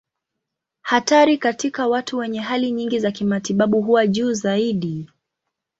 Hatari katika watu wenye hali nyingi za kimatibabu huwa juu zaidi.